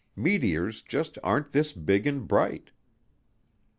Meteors just aren't this big and bright.